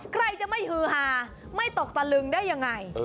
ใครจะไม่ฮือฮาไม่ตกตะลึงได้ยังไง